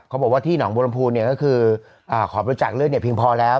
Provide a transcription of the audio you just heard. เขาบอกว่าที่หนองบัวลำพูเนี่ยก็คือขอบริจาคเลือดเนี่ยเพียงพอแล้ว